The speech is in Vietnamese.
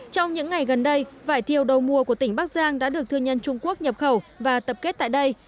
trong những ngày gần đây vải thiều đầu mùa của tỉnh bắc giang đã được thư nhân trung quốc nhập khẩu và tập kết tại đây